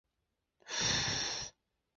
性需求从青春期开始产生。